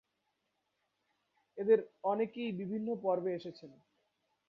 এদের অনেকেই বিভিন্ন পর্বে এসেছেন।